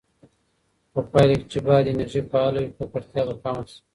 په پایله کې چې باد انرژي فعاله وي، ککړتیا به کمه شي.